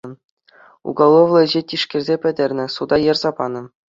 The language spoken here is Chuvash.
Уголовлӑ ӗҫе тишкерсе пӗтернӗ, суда ярса панӑ.